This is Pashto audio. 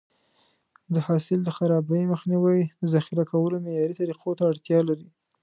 د حاصل د خرابي مخنیوی د ذخیره کولو معیاري طریقو ته اړتیا لري.